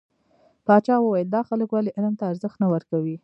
پاچا وويل: دا خلک ولې علم ته ارزښت نه ورکوي .